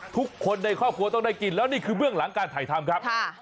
ทุกคนในครอบครัวต้องได้กินแล้วนี่คือเบื้องหลังการถ่ายทำครับ